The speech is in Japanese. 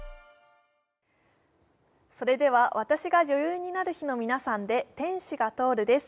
それでは「私が女優になる日」の皆さんで「天使が通る」です